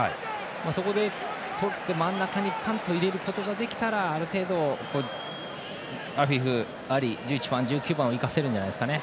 そこでとって、真ん中に入れることができたらある程度アフィフ、アリ１１番、１９番を生かせるんじゃないですかね。